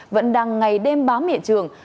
vẫn đang ngày đêm bám hiện trường